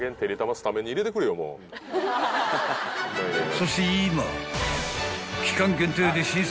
［そして今］